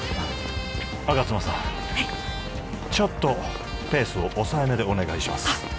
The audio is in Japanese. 吾妻さんはいちょっとペースを抑えめでお願いしますあっ